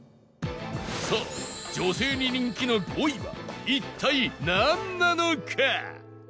さあ女性に人気の５位は一体なんなのか？